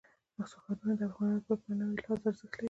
ښارونه د افغانانو لپاره په معنوي لحاظ ارزښت لري.